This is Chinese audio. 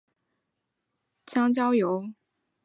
俗称香蕉油。